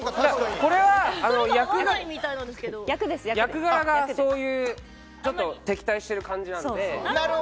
これは役柄がそういうちょっと敵対してる感じなので。